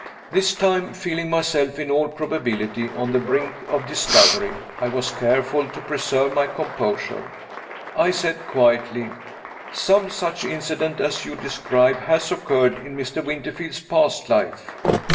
This time feeling myself, in all probability, on the brink of discovery I was careful to preserve my composure. I said, quietly: "Some such incident as you describe has occurred in Mr. Winterfield's past life."